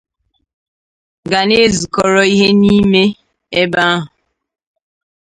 ga na-ezukọrọ ihe n'ime ebe ahụ